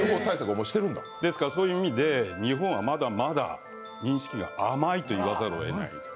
ですからそういう意味で日本はまだまだ認識が甘いと言わざるをえない。